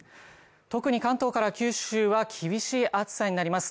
特に関東から九州は厳しい暑さになります